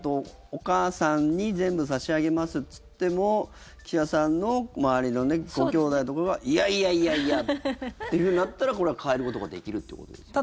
お母さんに全部差し上げますって言っても岸田さんの周りのごきょうだいとかがいやいやいやいやっていうふうになったらこれは変えることができるっていうことですよね。